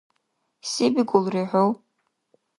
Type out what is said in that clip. – Се бикӀулри хӀу?